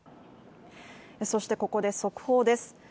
そしてここで速報です。